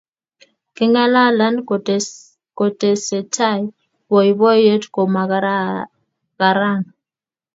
Kengalal kotesetai boiboiyet ko ma karan